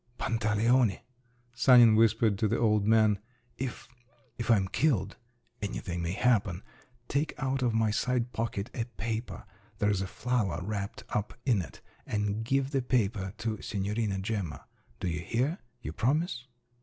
"Pantaleone!" Sanin whispered to the old man; "if … if I'm killed—anything may happen—take out of my side pocket a paper—there's a flower wrapped up in it—and give the paper to Signorina Gemma. Do you hear? You promise?"